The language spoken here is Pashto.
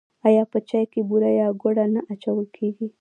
آیا په چای کې بوره یا ګوړه نه اچول کیږي؟